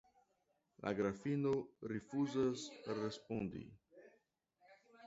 La Grafino rifuzas respondi.